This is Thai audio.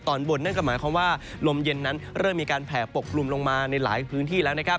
ตอนบนนั่นก็หมายความว่าลมเย็นนั้นเริ่มมีการแผ่ปกกลุ่มลงมาในหลายพื้นที่แล้วนะครับ